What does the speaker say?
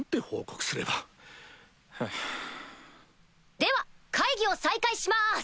では会議を再開します！